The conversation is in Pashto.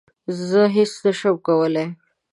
زه هیڅ نه شم کولای